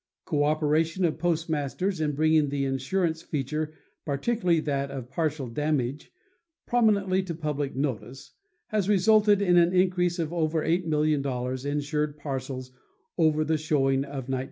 Cooperation of postmasters in bringing the insurance feature particularly that of partial damage prominently to public notice, has resulted in an increase of over 8,000,000 insured parcels over the showing of 1916.